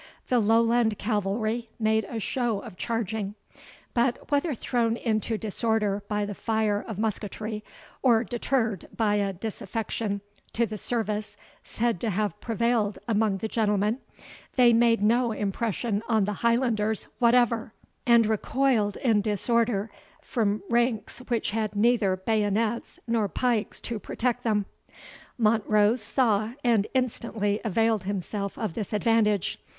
The Lowland cavalry made a show of charging; but, whether thrown into disorder by the fire of musketry, or deterred by a disaffection to the service said to have prevailed among the gentlemen, they made no impression on the Highlanders whatever, and recoiled in disorder from ranks which had neither bayonets nor pikes to protect them. Montrose saw, and instantly availed himself of this advantage.